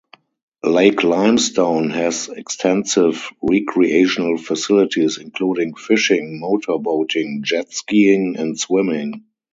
Lake Limestone has extensive recreational facilities including fishing, motor boating, jet skiing, and swimming.